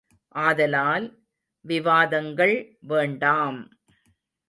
ஆதலால், விவாதங்கள், வேண்டாம்!